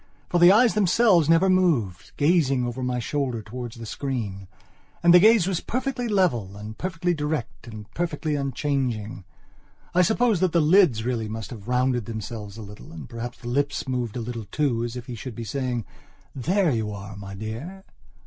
For the eyes themselves never moved, gazing over my shoulder towards the screen. And the gaze was perfectly level and perfectly direct and perfectly unchanging. I suppose that the lids really must have rounded themselves a little and perhaps the lips moved a little too, as if he should be saying: "There you are, my dear."